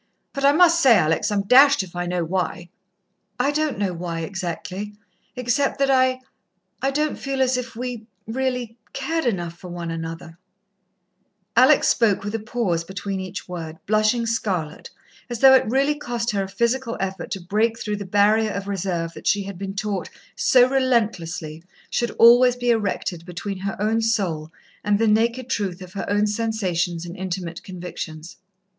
But I must say, Alex, I'm dashed if I know why." "I don't know why, exactly except that I I don't feel as if we really cared enough for one another " Alex spoke with a pause between each word, blushing scarlet, as though it really cost her a physical effort to break through the barrier of reserve that she had been taught so relentlessly should always be erected between her own soul and the naked truth of her own sensations and intimate convictions.